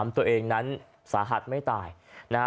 ตัวเองนั้นสาหัสไม่ตายนะฮะ